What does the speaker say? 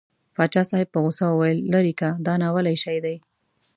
پاچا صاحب په غوسه وویل لېرې که دا ناولی شی دی.